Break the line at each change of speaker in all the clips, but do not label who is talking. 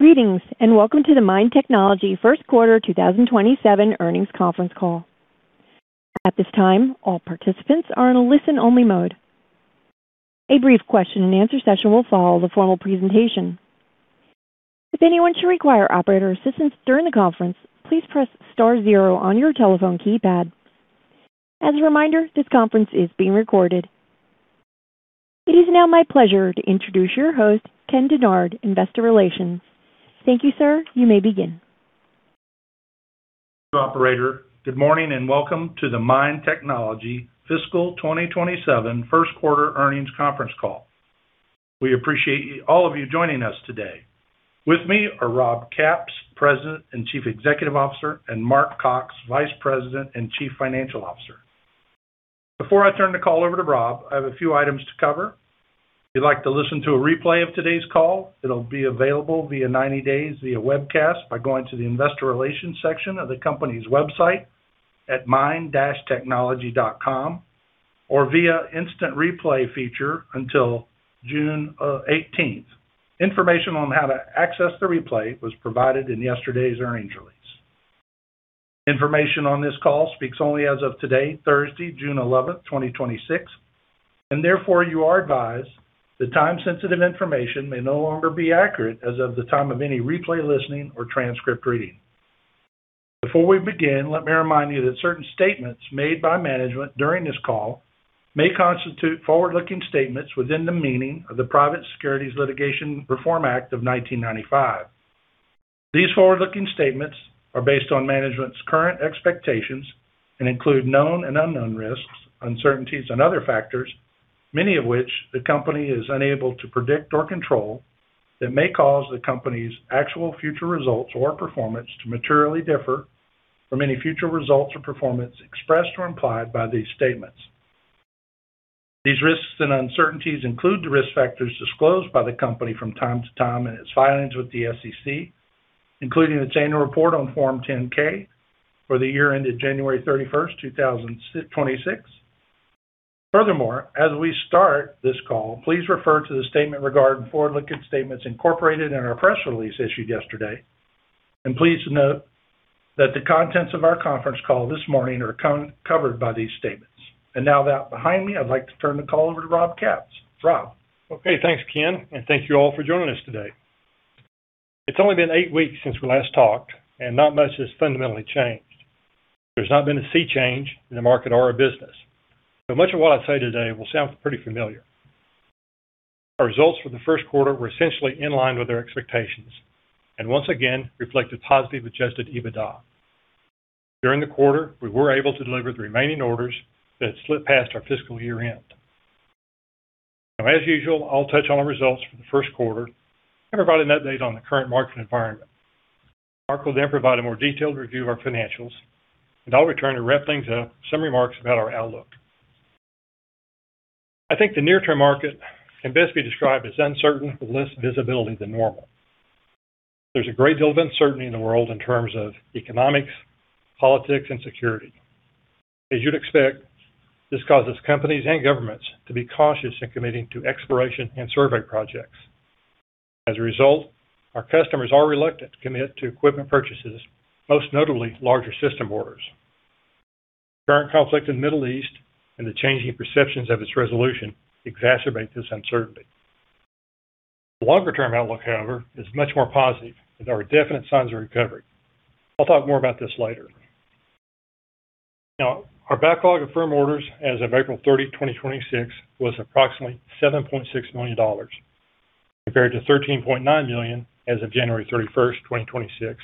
Greetings, welcome to the MIND Technology first quarter 2027 earnings conference call. At this time, all participants are in a listen-only mode. A brief question-and-answer session will follow the formal presentation. If anyone should require operator assistance during the conference, please press star zero on your telephone keypad. As a reminder, this conference is being recorded. It is now my pleasure to introduce your host, Ken Dennard, Investor Relations. Thank you, sir. You may begin.
Operator, good morning, welcome to the MIND Technology Fiscal 2027 first quarter earnings conference call. We appreciate all of you joining us today. With me are Rob Capps, President and Chief Executive Officer, and Mark Cox, Vice President and Chief Financial Officer. Before I turn the call over to Rob, I have a few items to cover. If you'd like to listen to a replay of today's call, it'll be available via 90 days via webcast by going to the investor relations section of the company's website at mind-technology.com, or via instant replay feature until June 18th. Information on how to access the replay was provided in yesterday's earnings release. Information on this call speaks only as of today, Thursday, June 11th, 2026. Therefore, you are advised that time-sensitive information may no longer be accurate as of the time of any replay listening or transcript reading. Before we begin, let me remind you that certain statements made by management during this call may constitute forward-looking statements within the meaning of the Private Securities Litigation Reform Act of 1995. These forward-looking statements are based on management's current expectations and include known and unknown risks, uncertainties, and other factors, many of which the company is unable to predict or control, that may cause the company's actual future results or performance to materially differ from any future results or performance expressed or implied by these statements. These risks and uncertainties include the risk factors disclosed by the company from time to time in its filings with the SEC, including the annual report on Form 10-K for the year ended January 31st, 2026. Furthermore, as we start this call, please refer to the statement regarding forward-looking statements incorporated in our press release issued yesterday. Please note that the contents of our conference call this morning are covered by these statements. Now with that behind me, I'd like to turn the call over to Rob Capps. Rob.
Okay, thanks, Ken, and thank you all for joining us today. It's only been eight weeks since we last talked, and not much has fundamentally changed. There's not been a sea change in the market or our business. Much of what I say today will sound pretty familiar. Our results for the first quarter were essentially in line with our expectations and once again reflected positive adjusted EBITDA. During the quarter, we were able to deliver the remaining orders that had slipped past our fiscal year-end. As usual, I'll touch on the results for the first quarter and provide an update on the current market environment. Mark will then provide a more detailed review of our financials, and I'll return to wrap things up with some remarks about our outlook. I think the near-term market can best be described as uncertain with less visibility than normal. There's a great deal of uncertainty in the world in terms of economics, politics, and security. As you'd expect, this causes companies and governments to be cautious in committing to exploration and survey projects. As a result, our customers are reluctant to commit to equipment purchases, most notably larger system orders. The current conflict in the Middle East and the changing perceptions of its resolution exacerbate this uncertainty. The longer-term outlook, however, is much more positive, as there are definite signs of recovery. I'll talk more about this later. Our backlog of firm orders as of April 30th, 2026, was approximately $7.6 million, compared to $13.9 million as of January 31st, 2026,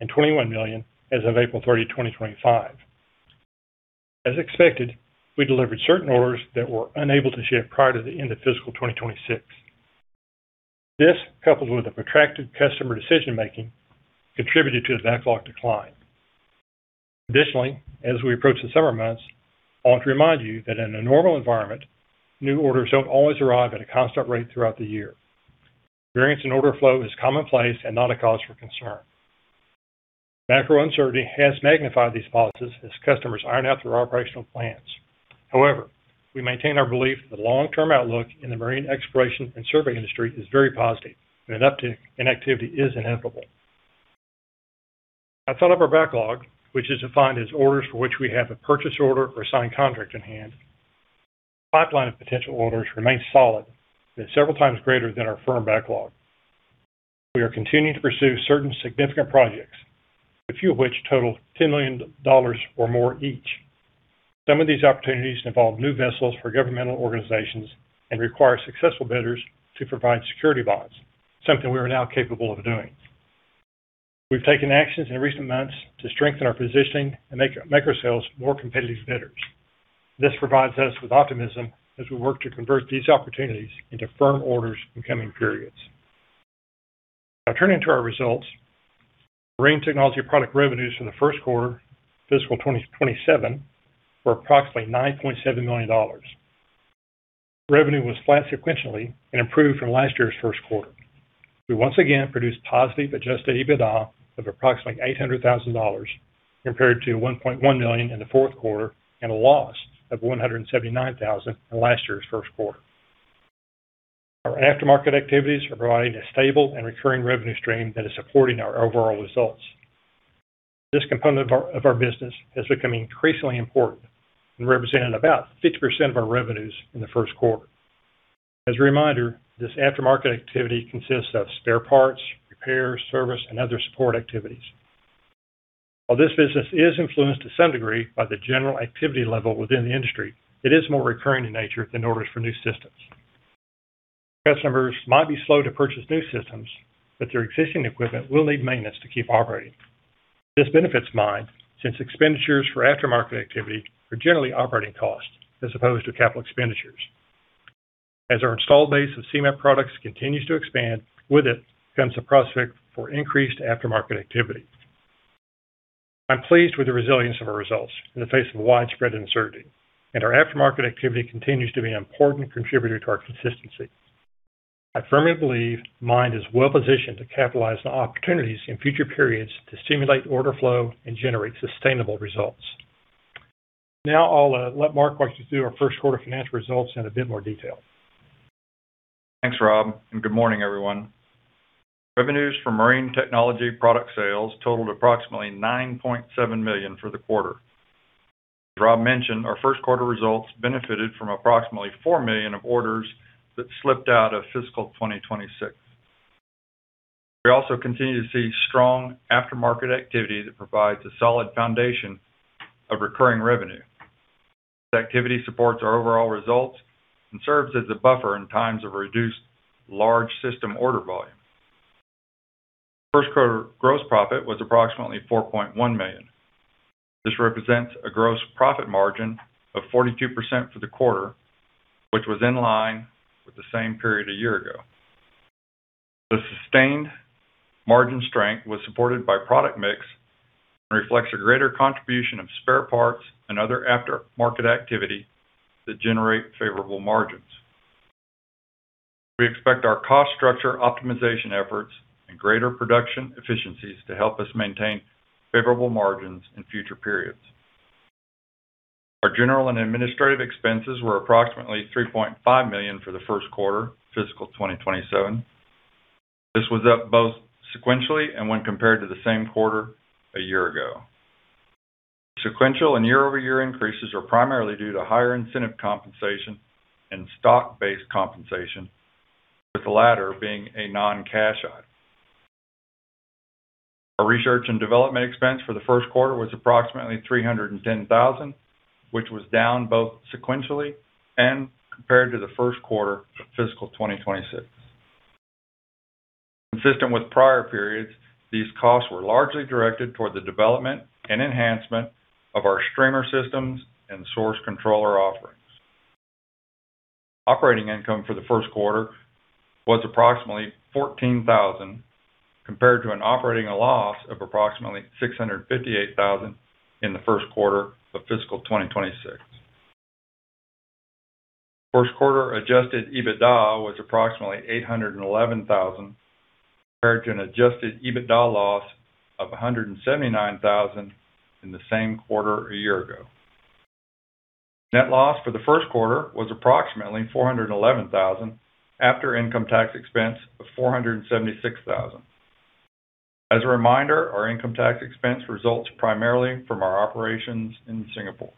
and $21 million as of April 30th, 2025. As expected, we delivered certain orders that were unable to ship prior to the end of fiscal 2026. This, coupled with the protracted customer decision-making, contributed to the backlog decline. As we approach the summer months, I want to remind you that in a normal environment, new orders don't always arrive at a constant rate throughout the year. Variance in order flow is commonplace and not a cause for concern. Macro uncertainty has magnified these pauses as customers iron out their operational plans. We maintain our belief that the long-term outlook in the marine exploration and survey industry is very positive, and an uptick in activity is inevitable. That's all of our backlog, which is defined as orders for which we have a purchase order or signed contract in hand. The pipeline of potential orders remains solid and is several times greater than our firm backlog. We are continuing to pursue certain significant projects, a few of which total $10 million or more each. Some of these opportunities involve new vessels for governmental organizations and require successful bidders to provide security bonds, something we are now capable of doing. We've taken actions in recent months to strengthen our positioning and make our sales more competitive bidders. This provides us with optimism as we work to convert these opportunities into firm orders in coming periods. Turning to our results. MIND Technology product revenues for the first quarter fiscal 2027 were approximately $9.7 million. Revenue was flat sequentially and improved from last year's first quarter. We once again produced positive adjusted EBITDA of approximately $811,000. Compared to $1.1 million in the fourth quarter and a loss of $179,000 in last year's first quarter. Our aftermarket activities are providing a stable and recurring revenue stream that is supporting our overall results. This component of our business is becoming increasingly important and represented about 50% of our revenues in the first quarter. As a reminder, this aftermarket activity consists of spare parts, repairs, service, and other support activities. While this business is influenced to some degree by the general activity level within the industry, it is more recurring in nature than orders for new systems. Customers might be slow to purchase new systems, but their existing equipment will need maintenance to keep operating. This benefits MIND since expenditures for aftermarket activity are generally operating costs as opposed to capital expenditures. As our installed base of SeaMap products continues to expand, with it comes the prospect for increased aftermarket activity. I'm pleased with the resilience of our results in the face of widespread uncertainty, and our aftermarket activity continues to be an important contributor to our consistency. I firmly believe MIND is well-positioned to capitalize on opportunities in future periods to stimulate order flow and generate sustainable results. I'll let Mark walk you through our first quarter financial results in a bit more detail.
Thanks, Rob, and good morning everyone. Revenues from Marine Technology product sales totaled approximately $9.7 million for the quarter. As Rob mentioned, our first quarter results benefited from approximately $4 million of orders that slipped out of fiscal 2026. We also continue to see strong aftermarket activity that provides a solid foundation of recurring revenue. This activity supports our overall results and serves as a buffer in times of reduced large system order volume. First quarter gross profit was approximately $4.1 million. This represents a gross profit margin of 42% for the quarter, which was in line with the same period a year ago. The sustained margin strength was supported by product mix and reflects a greater contribution of spare parts and other aftermarket activity that generate favorable margins. We expect our cost structure optimization efforts and greater production efficiencies to help us maintain favorable margins in future periods. Our general and administrative expenses were approximately $3.5 million for the first quarter, fiscal 2027. This was up both sequentially and when compared to the same quarter a year ago. Sequential and year-over-year increases are primarily due to higher incentive compensation and stock-based compensation, with the latter being a non-cash item. Our research and development expense for the first quarter was approximately $310,000, which was down both sequentially and compared to the first quarter of fiscal 2026. Consistent with prior periods, these costs were largely directed toward the development and enhancement of our streamer systems and source controller offerings. Operating income for the first quarter was approximately $14,000, compared to an operating loss of approximately $658,000 in the first quarter of fiscal 2026. First quarter adjusted EBITDA was approximately $811,000, compared to an adjusted EBITDA loss of $179,000 in the same quarter a year ago. Net loss for the first quarter was approximately $411,000, after income tax expense of $476,000. As a reminder, our income tax expense results primarily from our operations in Singapore.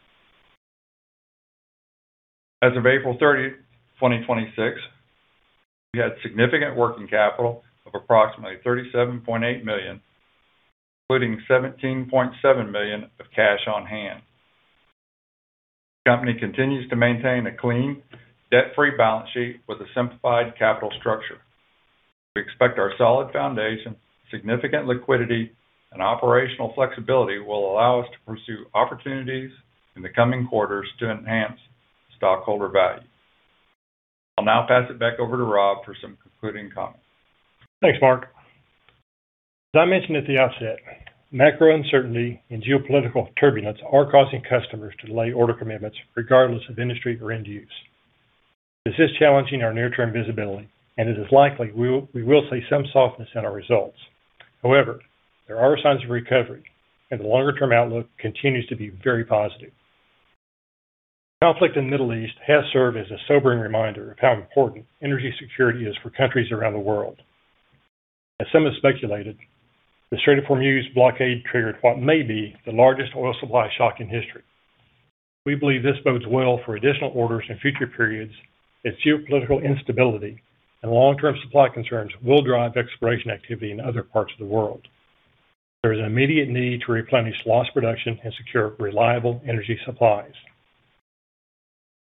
As of April 30th, 2026, we had significant working capital of approximately $37.8 million, including $17.7 million of cash on hand. The company continues to maintain a clean, debt-free balance sheet with a simplified capital structure. We expect our solid foundation, significant liquidity, and operational flexibility will allow us to pursue opportunities in the coming quarters to enhance stockholder value. I'll now pass it back over to Rob for some concluding comments.
Thanks, Mark. As I mentioned at the outset, macro uncertainty and geopolitical turbulence are causing customers to delay order commitments regardless of industry or end use. This is challenging our near-term visibility, and it is likely we will see some softness in our results. There are signs of recovery, and the longer-term outlook continues to be very positive. Conflict in the Middle East has served as a sobering reminder of how important energy security is for countries around the world. As some have speculated, the Strait of Hormuz blockade triggered what may be the largest oil supply shock in history. We believe this bodes well for additional orders in future periods as geopolitical instability and long-term supply concerns will drive exploration activity in other parts of the world. There is an immediate need to replenish lost production and secure reliable energy supplies.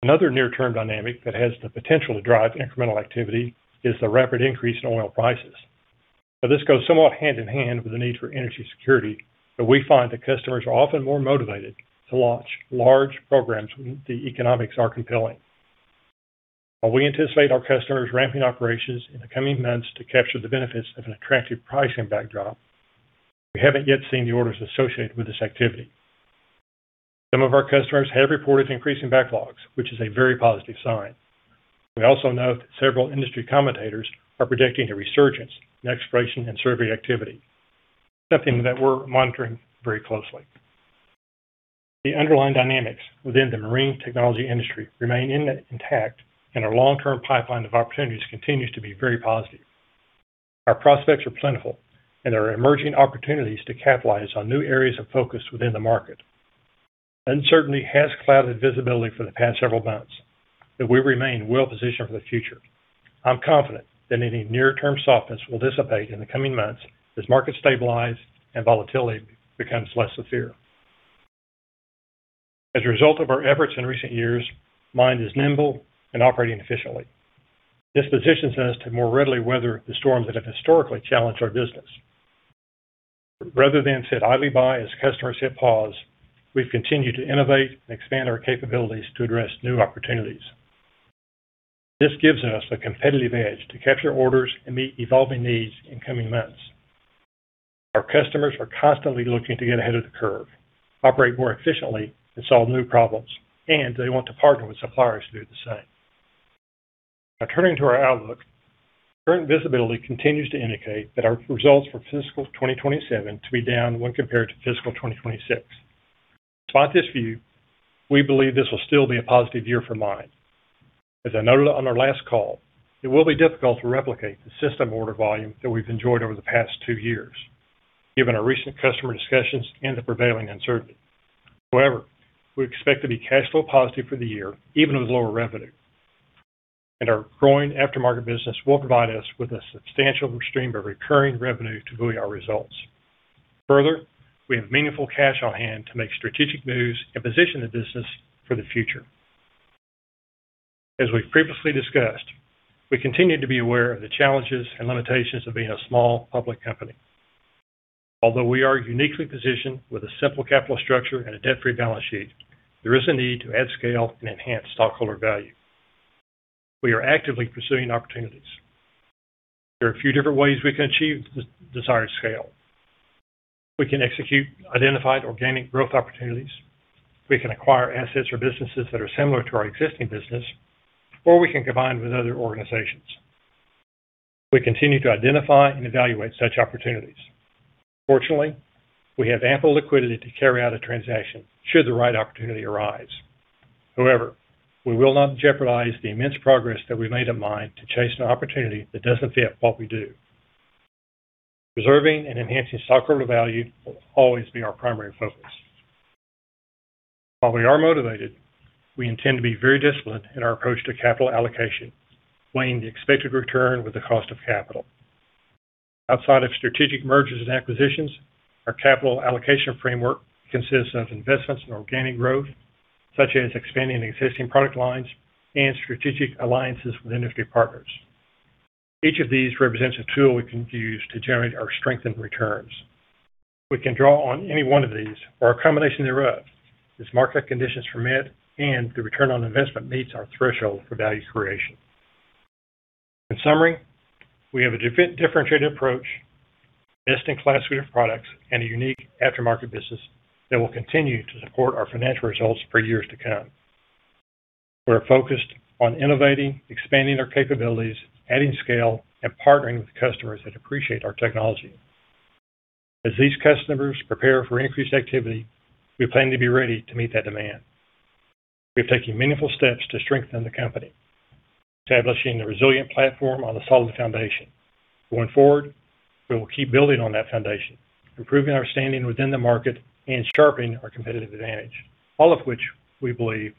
Another near-term dynamic that has the potential to drive incremental activity is the rapid increase in oil prices. This goes somewhat hand-in-hand with the need for energy security, but we find that customers are often more motivated to launch large programs when the economics are compelling. While we anticipate our customers ramping operations in the coming months to capture the benefits of an attractive pricing backdrop, we haven't yet seen the orders associated with this activity. Some of our customers have reported increasing backlogs, which is a very positive sign. We also know that several industry commentators are predicting a resurgence in exploration and survey activity, something that we're monitoring very closely. The underlying dynamics within the marine technology industry remain intact, and our long-term pipeline of opportunities continues to be very positive. Our prospects are plentiful. There are emerging opportunities to capitalize on new areas of focus within the market. Uncertainty has clouded visibility for the past several months. We remain well-positioned for the future. I'm confident that any near-term softness will dissipate in the coming months as markets stabilize and volatility becomes less severe. As a result of our efforts in recent years, MIND is nimble and operating efficiently. This positions us to more readily weather the storms that have historically challenged our business. Rather than sit idly by as customers hit pause, we've continued to innovate and expand our capabilities to address new opportunities. This gives us a competitive edge to capture orders and meet evolving needs in coming months. Our customers are constantly looking to get ahead of the curve, operate more efficiently, and solve new problems. They want to partner with suppliers to do the same. Now turning to our outlook. Current visibility continues to indicate that our results for fiscal 2027 to be down when compared to fiscal 2026. Despite this view, we believe this will still be a positive year for MIND. As I noted on our last call, it will be difficult to replicate the system order volume that we've enjoyed over the past two years, given our recent customer discussions and the prevailing uncertainty. However, we expect to be cash flow positive for the year, even with lower revenue. Our growing aftermarket business will provide us with a substantial stream of recurring revenue to buoy our results. We have meaningful cash on hand to make strategic moves and position the business for the future. As we've previously discussed, we continue to be aware of the challenges and limitations of being a small public company. Although we are uniquely positioned with a simple capital structure and a debt-free balance sheet, there is a need to add scale and enhance stockholder value. We are actively pursuing opportunities. There are a few different ways we can achieve the desired scale. We can execute identified organic growth opportunities, we can acquire assets or businesses that are similar to our existing business, or we can combine with other organizations. We continue to identify and evaluate such opportunities. Fortunately, we have ample liquidity to carry out a transaction should the right opportunity arise. We will not jeopardize the immense progress that we've made at MIND to chase an opportunity that doesn't fit what we do. Preserving and enhancing stockholder value will always be our primary focus. While we are motivated, we intend to be very disciplined in our approach to capital allocation, weighing the expected return with the cost of capital. Outside of strategic mergers and acquisitions, our capital allocation framework consists of investments in organic growth, such as expanding existing product lines and strategic alliances with industry partners. Each of these represents a tool we can use to generate or strengthen returns. We can draw on any one of these or a combination thereof as market conditions permit and the return on investment meets our threshold for value creation. In summary, we have a differentiated approach, best-in-class suite of products, and a unique aftermarket business that will continue to support our financial results for years to come. We're focused on innovating, expanding our capabilities, adding scale, and partnering with customers that appreciate our technology. As these customers prepare for increased activity, we plan to be ready to meet that demand. We're taking meaningful steps to strengthen the company, establishing a resilient platform on a solid foundation. Going forward, we will keep building on that foundation, improving our standing within the market, and sharpening our competitive advantage. All of which we believe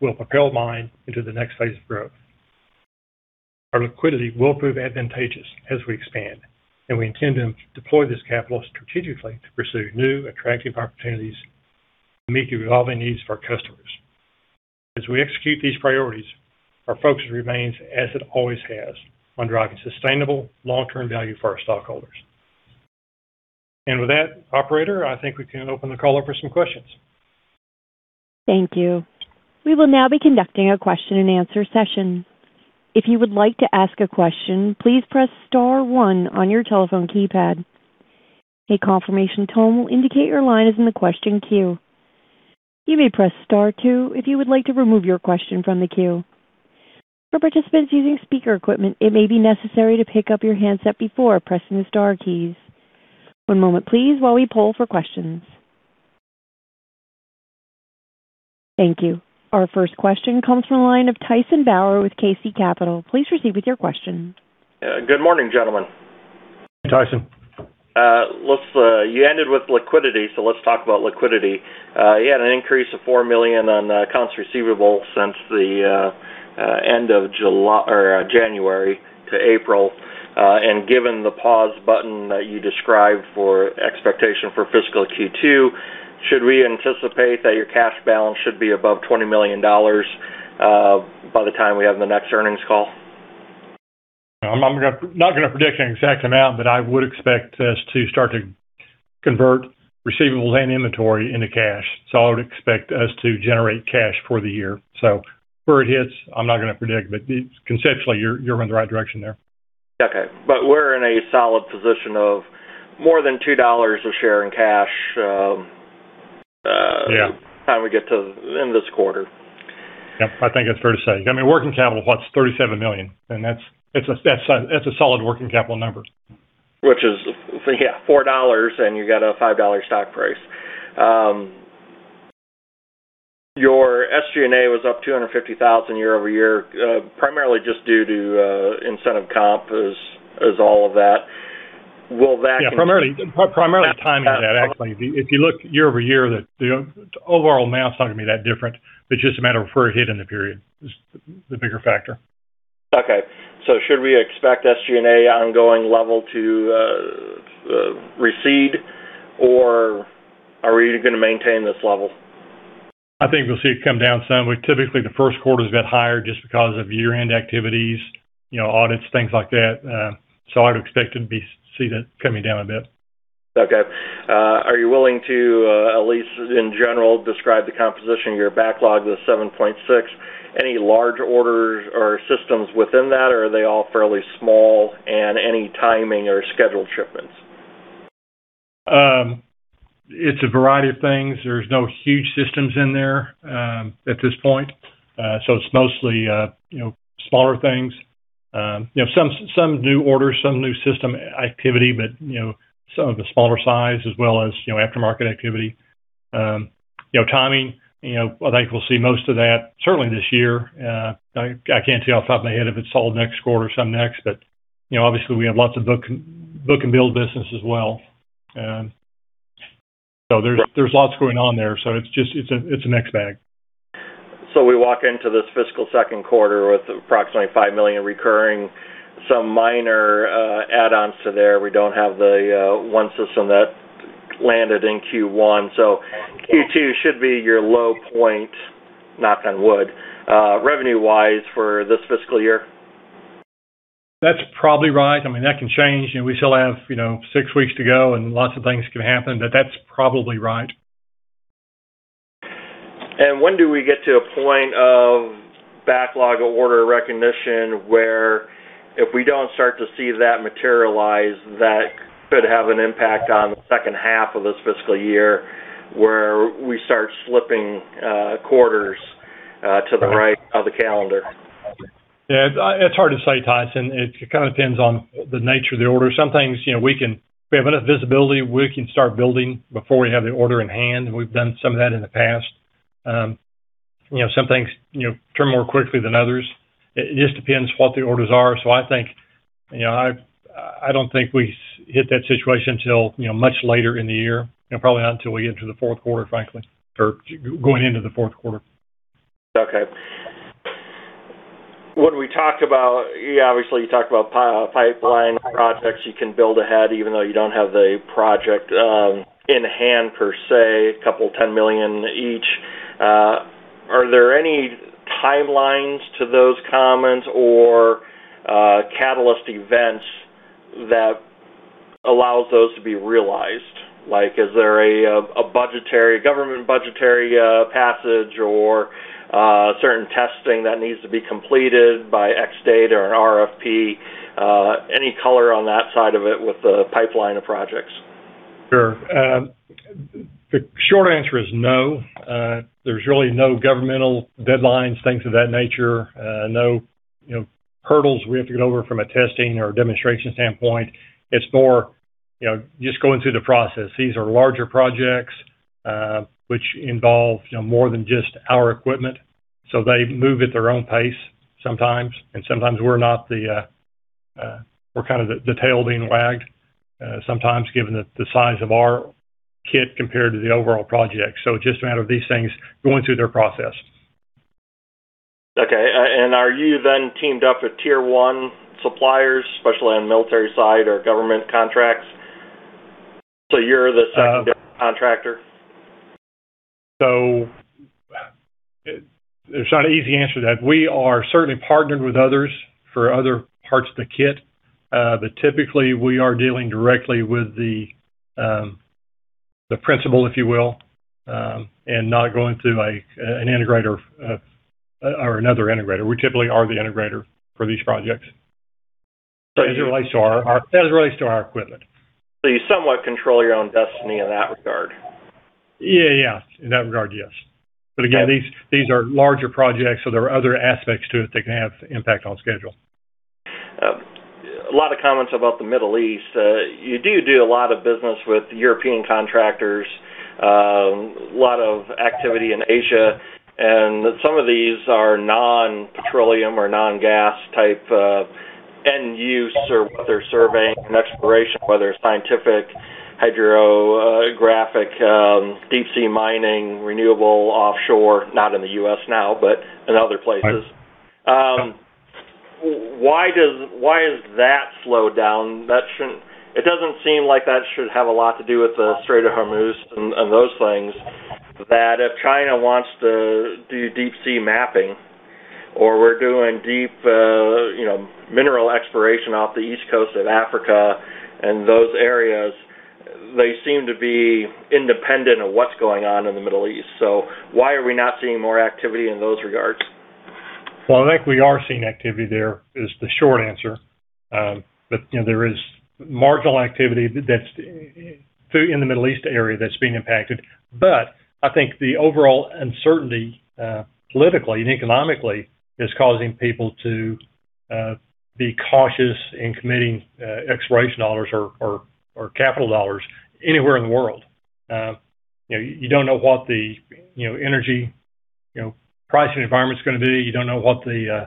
will propel MIND into the next phase of growth. Our liquidity will prove advantageous as we expand. We intend to deploy this capital strategically to pursue new, attractive opportunities to meet the evolving needs of our customers. As we execute these priorities, our focus remains, as it always has, on driving sustainable long-term value for our stockholders. With that, operator, I think we can open the call up for some questions.
Thank you. We will now be conducting a question-and-answer session. If you would like to ask a question, please press star one on your telephone keypad. A confirmation tone will indicate your line is in the question queue. You may press star two if you would like to remove your question from the queue. For participants using speaker equipment, it may be necessary to pick up your handset before pressing the star keys. One moment, please, while we poll for questions. Thank you. Our first question comes from the line of Tyson Bauer with KC Capital. Please proceed with your question.
Good morning, gentlemen.
Tyson.
You ended with liquidity, let's talk about liquidity. You had an increase of $4 million on accounts receivable since the end of January to April. Given the pause button that you described for expectation for fiscal Q2, should we anticipate that your cash balance should be above $20 million by the time we have the next earnings call?
I'm not going to predict an exact amount, but I would expect us to start to convert receivables and inventory into cash. I would expect us to generate cash for the year. Where it hits, I'm not going to predict, but conceptually, you're in the right direction there.
Okay. We're in a solid position of more than $2 a share in cash by the time we get to the end of this quarter.
Yep, I think it's fair to say. Working capital, $37 million. That's a solid working capital number.
Which is $4 and you've got a $5 stock price. Your SG&A was up $250,000 year-over-year, primarily just due to incentive comp as all of that. Will that
Yeah. Primarily timing of that, actually. If you look year-over-year, the overall amount's not going to be that different, but just a matter of where it hit in the period is the bigger factor.
Okay. Should we expect SG&A ongoing level to recede, or are we going to maintain this level?
I think we'll see it come down some. Typically, the first quarter's been higher just because of year-end activities, audits, things like that. I'd expect to see that coming down a bit.
Are you willing to, at least in general, describe the composition of your backlog, the $7.6? Any large orders or systems within that, or are they all fairly small? Any timing or scheduled shipments?
It's a variety of things. There's no huge systems in there at this point. It's mostly smaller things. Some new orders, some new system activity, but some of the smaller size as well as after-market activity. Timing, I think we'll see most of that certainly this year. I can't tell you off the top of my head if it's all next quarter, some next. Obviously we have lots of book and build business as well. There's lots going on there. It's a mixed bag.
We walk into this fiscal second quarter with approximately $5 million recurring, some minor add-ons to there. We don't have the one system that landed in Q1. Q2 should be your low point, knock on wood, revenue-wise for this fiscal year.
That's probably right. That can change. We still have six weeks to go and lots of things can happen. That's probably right.
When do we get to a point of backlog or order recognition where if we don't start to see that materialize, that could have an impact on the second half of this fiscal year where we start slipping quarters to the right of the calendar?
Yeah. It's hard to say, Tyson. It kind of depends on the nature of the order. Some things, we have enough visibility, we can start building before we have the order in hand. We've done some of that in the past. Some things turn more quickly than others. It just depends what the orders are. I don't think we hit that situation till much later in the year. Probably not until we get into the fourth quarter, frankly, or going into the fourth quarter.
Okay. When we talk about, obviously you talk about pipeline projects you can build ahead even though you don't have the project in hand per se, couple $10 million each. Are there any timelines to those comments or catalyst events that allows those to be realized? Like is there a government budgetary passage or certain testing that needs to be completed by X date or an RFP? Any color on that side of it with the pipeline of projects?
Sure. The short answer is no. There's really no governmental deadlines, things of that nature. No hurdles we have to get over from a testing or a demonstration standpoint. It's more just going through the process. These are larger projects which involve more than just our equipment. They move at their own pace sometimes. Sometimes we're kind of the tail being wagged sometimes given the size of our kit compared to the overall project. It's just a matter of these things going through their process.
Okay. Are you then teamed up with Tier 1 suppliers, especially on the military side or government contracts? You're the secondary contractor?
There's not an easy answer to that. We are certainly partnered with others for other parts of the kit. Typically we are dealing directly with the principal, if you will, and not going through an integrator or another integrator. We typically are the integrator for these projects. As it relates to our equipment.
You somewhat control your own destiny in that regard.
Yeah. In that regard, yes. Again, these are larger projects, so there are other aspects to it that can have impact on schedule.
A lot of comments about the Middle East. You do a lot of business with European contractors, a lot of activity in Asia. Some of these are non-petroleum or non-gas type end use or whether surveying and exploration, whether it's scientific, hydrographic, deep sea mining, renewable offshore, not in the U.S. now, but in other places. Why has that slowed down? It doesn't seem like that should have a lot to do with the Strait of Hormuz and those things. That if China wants to do deep sea mapping or we're doing deep mineral exploration off the east coast of Africa and those areas to be independent of what's going on in the Middle East. Why are we not seeing more activity in those regards?
Well, I think we are seeing activity there is the short answer. There is marginal activity that's in the Middle East area that's being impacted. I think the overall uncertainty, politically and economically, is causing people to be cautious in committing exploration dollars or capital dollars anywhere in the world. You don't know what the energy pricing environment's going to be. You don't know what the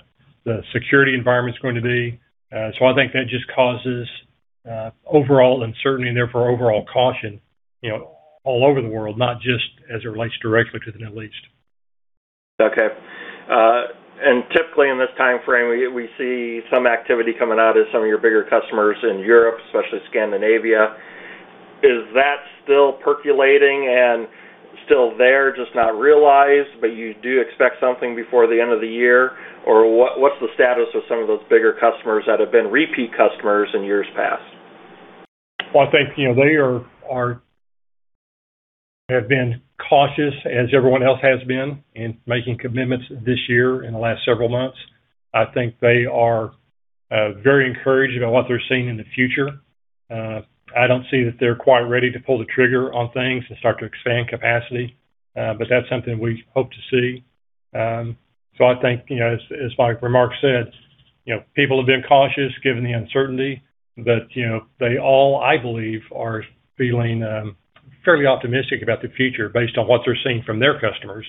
security environment's going to be. I think that just causes overall uncertainty and therefore overall caution all over the world, not just as it relates directly to the Middle East.
Okay. Typically in this timeframe, we see some activity coming out of some of your bigger customers in Europe, especially Scandinavia. Is that still percolating and still there, just not realized, but you do expect something before the end of the year? What's the status of some of those bigger customers that have been repeat customers in years past?
Well, they have been cautious, as everyone else has been, in making commitments this year, in the last several months. I think they are very encouraged about what they're seeing in the future. I don't see that they're quite ready to pull the trigger on things and start to expand capacity. That's something we hope to see. I think, as my remarks said, people have been cautious given the uncertainty. They all, I believe, are feeling fairly optimistic about the future based on what they're seeing from their customers,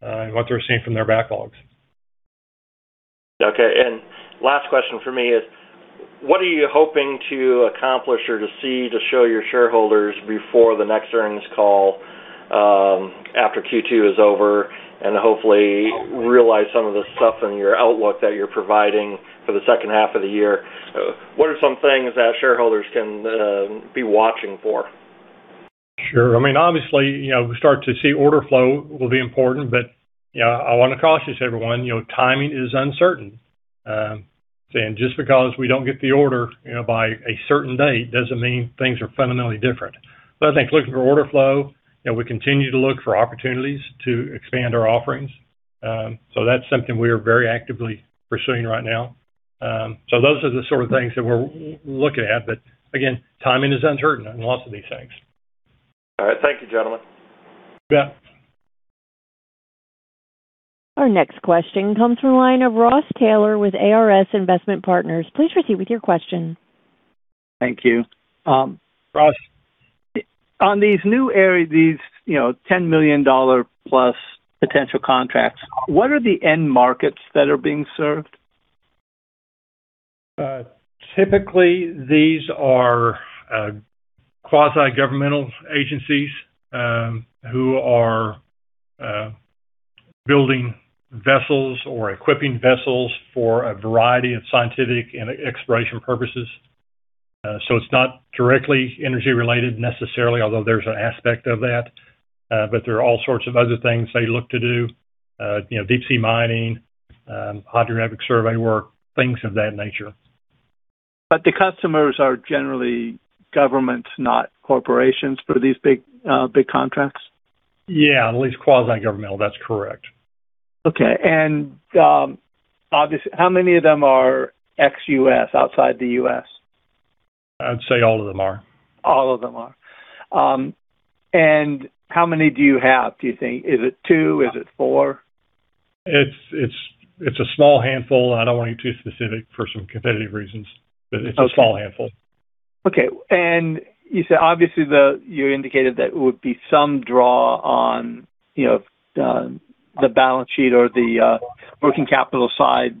and what they're seeing from their backlogs.
Okay. Last question from me is, what are you hoping to accomplish or to see to show your shareholders before the next earnings call after Q2 is over and hopefully realize some of the stuff in your outlook that you're providing for the second half of the year? What are some things that shareholders can be watching for?
Sure. Obviously, we start to see order flow will be important, but I want to cautious everyone, timing is uncertain. Just because we don't get the order by a certain date doesn't mean things are fundamentally different. I think looking for order flow, we continue to look for opportunities to expand our offerings. That's something we are very actively pursuing right now. Those are the sort of things that we're looking at. Again, timing is uncertain on lots of these things.
All right. Thank you, gentlemen.
You bet.
Our next question comes from the line of Ross Taylor with ARS Investment Partners. Please proceed with your question.
Thank you. Ross. On these new areas, these $10 million+ potential contracts, what are the end markets that are being served?
Typically, these are quasi-governmental agencies who are building vessels or equipping vessels for a variety of scientific and exploration purposes. It's not directly energy-related necessarily, although there's an aspect of that. There are all sorts of other things they look to do. Deep sea mining, hydrographic survey work, things of that nature.
The customers are generally governments, not corporations, for these big contracts?
Yeah, at least quasi-governmental. That's correct.
Okay. Obviously, how many of them are ex-U.S., outside the U.S.?
I'd say all of them are.
All of them are. How many do you have, do you think? Is it two? Is it four?
It's a small handful. I don't want to get too specific for some competitive reasons, but it's a small handful.
Okay. You said, obviously, you indicated that it would be some draw on the balance sheet or the working capital side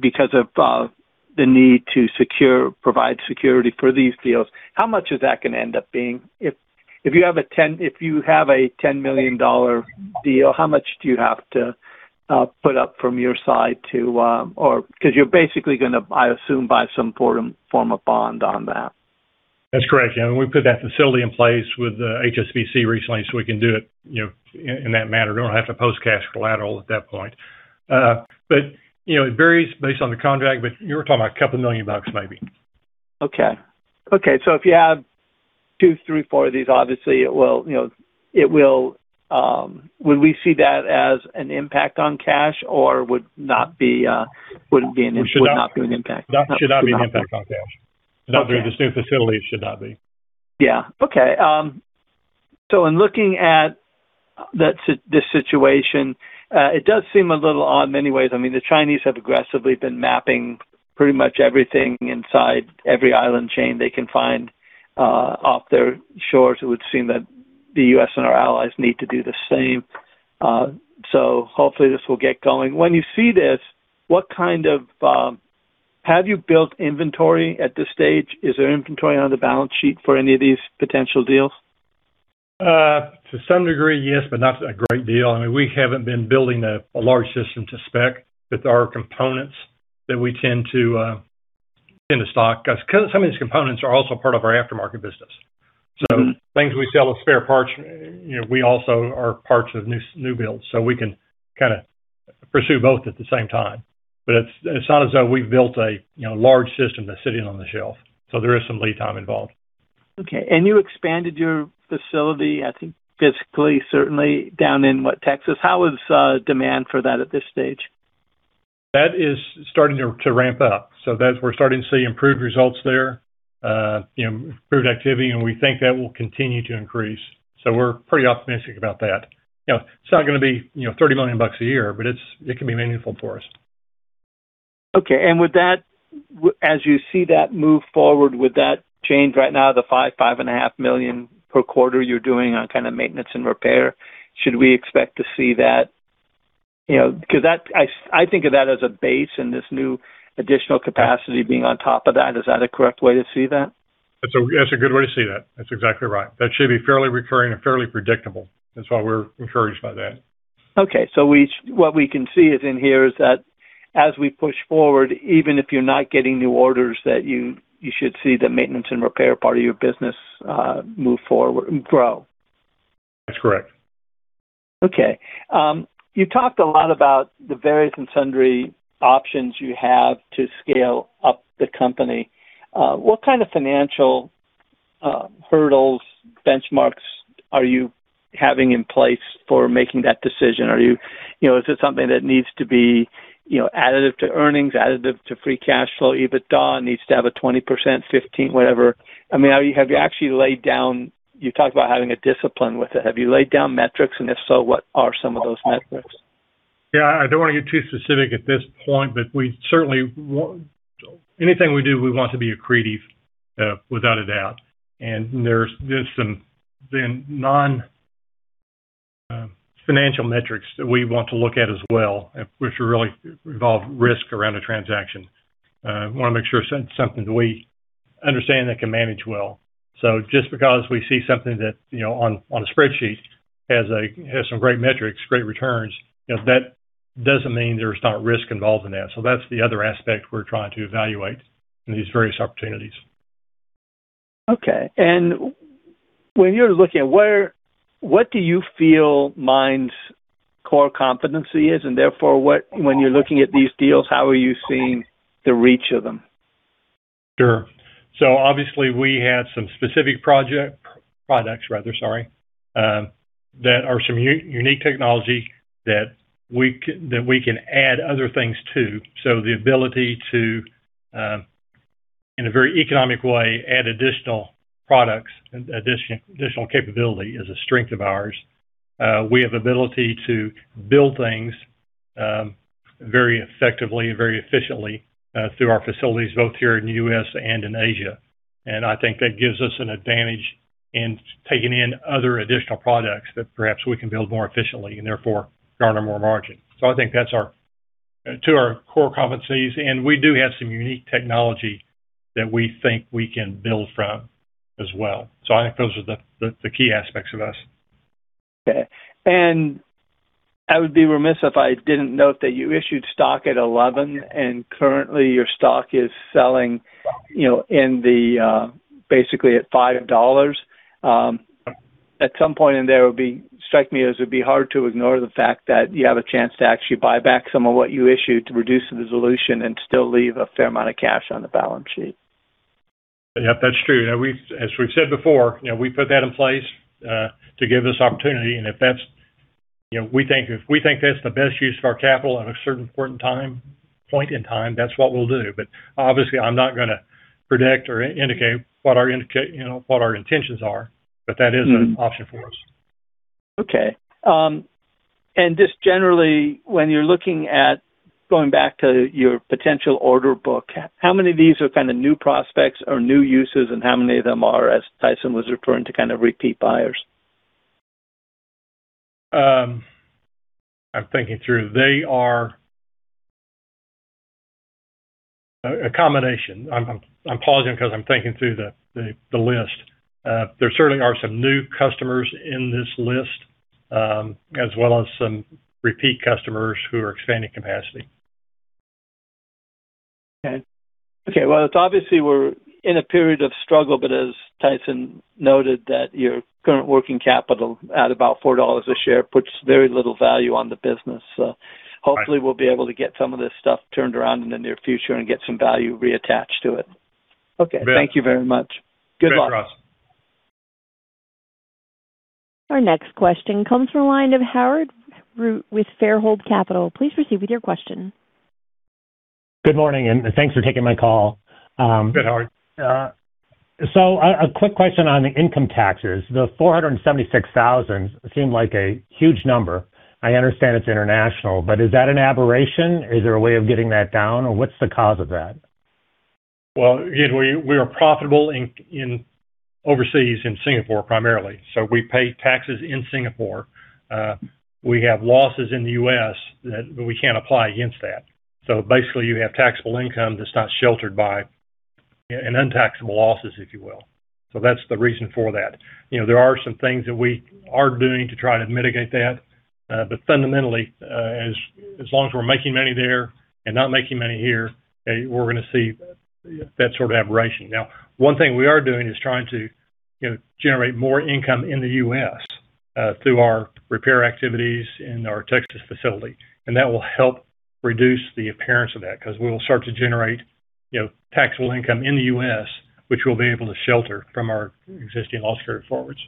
because of the need to provide security for these deals. How much is that going to end up being? If you have a $10 million deal, how much do you have to put up from your side because you're basically going to, I assume, buy some form of bond on that.
That's correct. Yeah. We put that facility in place with HSBC recently so we can do it in that manner. We don't have to post cash collateral at that point. It varies based on the contract, but you were talking about a couple million dollars maybe.
Okay. If you have two, three, four of these, obviously, would we see that as an impact on cash, or would it not be an impact?
Should not be an impact on cash. Under this new facility, it should not be.
Yeah. Okay. In looking at this situation, it does seem a little odd in many ways. The Chinese have aggressively been mapping pretty much everything inside every island chain they can find off their shores. It would seem that the U.S. and our allies need to do the same. Hopefully this will get going. When you see this, have you built inventory at this stage? Is there inventory on the balance sheet for any of these potential deals?
To some degree, yes, not a great deal. We haven't been building a large system to spec with our components that we tend to stock. Some of these components are also part of our aftermarket business. Things we sell as spare parts, we also are parts of new builds. We can kind of pursue both at the same time. It's not as though we've built a large system that's sitting on the shelf, there is some lead time involved.
Okay. You expanded your facility, I think physically, certainly down in what, Texas? How is demand for that at this stage?
That is starting to ramp up. That we're starting to see improved results there, improved activity, we think that will continue to increase. We're pretty optimistic about that. It's not going to be $30 million a year, it can be meaningful for us.
Okay. With that, as you see that move forward, would that change right now the $5.5 million per quarter you're doing on kind of maintenance and repair? Should we expect to see that? I think of that as a base and this new additional capacity being on top of that. Is that a correct way to see that?
That's a good way to see that. That's exactly right. That should be fairly recurring and fairly predictable. That's why we're encouraged by that.
Okay. What we can see is in here is that as we push forward, even if you're not getting new orders, that you should see the maintenance and repair part of your business move forward and grow.
That's correct.
Okay. You talked a lot about the various and sundry options you have to scale up the company. What kind of financial hurdles, benchmarks are you having in place for making that decision? Is it something that needs to be additive to earnings, additive to free cash flow, EBITDA needs to have a 20%, 15%, whatever? You talked about having a discipline with it. Have you laid down metrics? If so, what are some of those metrics?
Yeah, I don't want to get too specific at this point, but anything we do, we want to be accretive, without a doubt. There's some non-financial metrics that we want to look at as well, which really involve risk around a transaction. We want to make sure it's something that we understand and can manage well. Just because we see something that, on a spreadsheet, has some great metrics, great returns, that doesn't mean there's not risk involved in that. That's the other aspect we're trying to evaluate in these various opportunities.
Okay. When you're looking, what do you feel MIND's core competency is? Therefore, when you're looking at these deals, how are you seeing the reach of them?
Sure. Obviously we have some specific project, products rather, sorry, that are some unique technology that we can add other things to. The ability to, in a very economic way, add additional products, additional capability is a strength of ours. We have ability to build things very effectively and very efficiently, through our facilities, both here in the U.S. and in Asia. I think that gives us an advantage in taking in other additional products that perhaps we can build more efficiently and therefore garner more margin. I think that's two our core competencies, and we do have some unique technology that we think we can build from as well. I think those are the key aspects of us.
Okay. I would be remiss if I didn't note that you issued stock at $11, and currently your stock is selling basically at $5. At some point in there, it would strike me as it would be hard to ignore the fact that you have a chance to actually buy back some of what you issued to reduce the dilution and still leave a fair amount of cash on the balance sheet.
Yeah. That's true. As we've said before, we put that in place, to give this opportunity, and if we think that's the best use of our capital at a certain point in time, that's what we'll do. Obviously, I'm not going to predict or indicate what our intentions are. That is an option for us.
Okay. Just generally, when you're looking at going back to your potential order book, how many of these are kind of new prospects or new uses, and how many of them are, as Tyson was referring to, kind of repeat buyers?
I'm thinking through. They are a combination. I'm pausing because I'm thinking through the list. There certainly are some new customers in this list, as well as some repeat customers who are expanding capacity.
Okay. Well, obviously we're in a period of struggle, as Tyson noted, that your current working capital at about $4 a share puts very little value on the business. Hopefully we'll be able to get some of this stuff turned around in the near future and get some value reattached to it.
Yeah.
Okay. Thank you very much. Good luck.
Thanks, Ross.
Our next question comes from the line of Howard Root with Fairhope Capital. Please proceed with your question.
Good morning. Thanks for taking my call.
Good, Howard.
A quick question on the income taxes. The $476,000 seemed like a huge number. I understand it's international. Is that an aberration? Is there a way of getting that down? What's the cause of that?
Well, again, we are profitable overseas, in Singapore primarily. We pay taxes in Singapore. We have losses in the U.S. that we can't apply against that. Basically you have taxable income that's not sheltered by an untaxable losses, if you will. That's the reason for that. There are some things that we are doing to try to mitigate that. Fundamentally, as long as we're making money there and not making money here, we're going to see that sort of aberration. Now, one thing we are doing is trying to generate more income in the U.S. through our repair activities in our Texas facility. That will help reduce the appearance of that, because we will start to generate taxable income in the U.S. which we'll be able to shelter from our existing loss carry-forwards.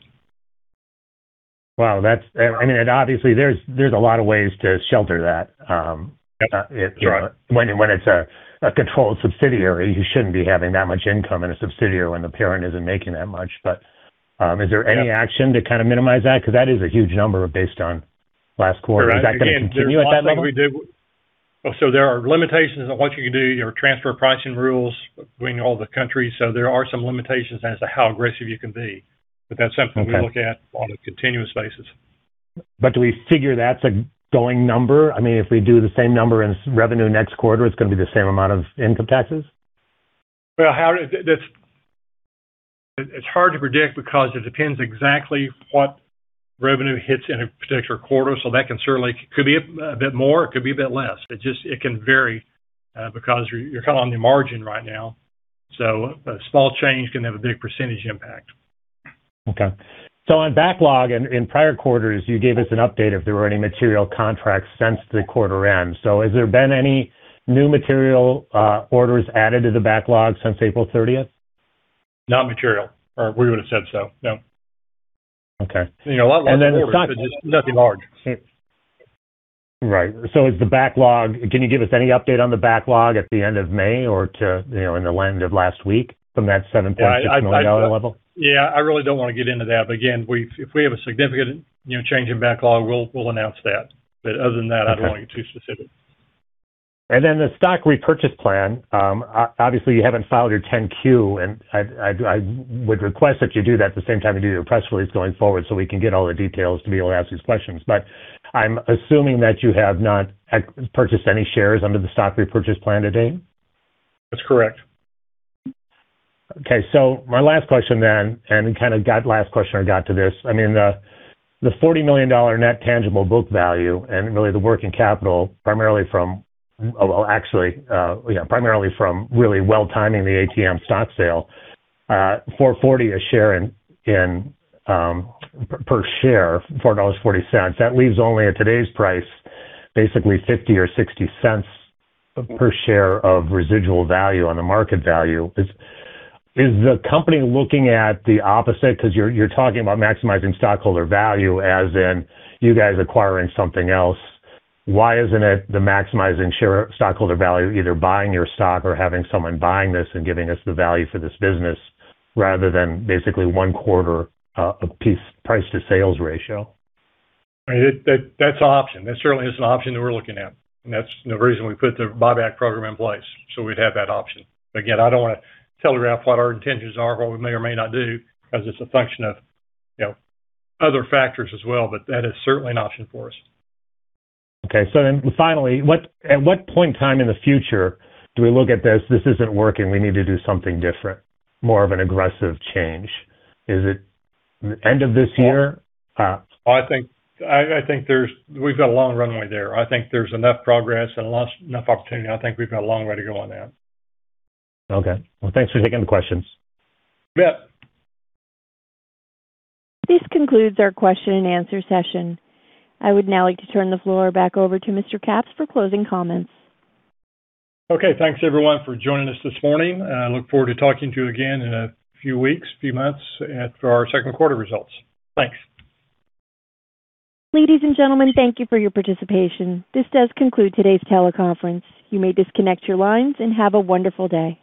Wow. Obviously, there's a lot of ways to shelter that. When it's a controlled subsidiary, you shouldn't be having that much income in a subsidiary when the parent isn't making that much. Is there any action to kind of minimize that? Because that is a huge number based on last quarter. Is that going to continue at that level?
There are limitations on what you can do, your transfer pricing rules between all the countries. There are some limitations as to how aggressive you can be. We look at on a continuous basis.
Do we figure that's a going number? If we do the same number in revenue next quarter, it's going to be the same amount of income taxes?
It's hard to predict because it depends exactly what revenue hits in a particular quarter. That could be a bit more, it could be a bit less. It can vary because you're kind of on the margin right now. A small change can have a big percentage impact.
Okay. On backlog in prior quarters, you gave us an update if there were any material contracts since the quarter end. Has there been any new material orders added to the backlog since April 30th?
Not material, or we would've said so. No.
Okay.
A lot of orders.
The stock.
Nothing large.
Right. Can you give us any update on the backlog at the end of May or in the end of last week from that $7.6 million level?
Yeah, I really don't want to get into that. Again, if we have a significant change in backlog, we'll announce that. Other than that.
Okay.
I don't want to get too specific.
The stock repurchase plan. Obviously, you haven't filed your 10-Q, I would request that you do that at the same time you do your press release going forward so we can get all the details to be able to ask these questions. I'm assuming that you have not purchased any shares under the stock repurchase plan to date?
That's correct.
My last question then, and kind of last question I got to this. The $40 million net tangible book value and really the working capital primarily from really well timing the ATM stock sale, $4.40 per share. That leaves only at today's price, basically $0.50 or $0.60 per share of residual value on the market value. Is the company looking at the opposite? Because you're talking about maximizing stockholder value as in you guys acquiring something else. Why isn't it maximizing shareholder value, either buying your stock or having someone buying this and giving us the value for this business rather than basically one quarter of price to sales ratio?
That's an option. That certainly is an option that we're looking at, and that's the reason we put the buyback program in place, so we'd have that option. Again, I don't want to telegraph what our intentions are or what we may or may not do because it's a function of other factors as well. That is certainly an option for us.
Finally, at what point in time in the future do we look at this isn't working, we need to do something different, more of an aggressive change? Is it end of this year?
I think we've got a long runway there. I think there's enough progress and enough opportunity. I think we've got a long way to go on that.
Okay. Well, thanks for taking the questions.
You bet.
This concludes our question-and-answer session. I would now like to turn the floor back over to Mr. Capps for closing comments.
Okay. Thanks everyone for joining us this morning. I look forward to talking to you again in a few weeks, few months, for our second quarter results. Thanks.
Ladies and gentlemen, thank you for your participation. This does conclude today's teleconference. You may disconnect your lines and have a wonderful day.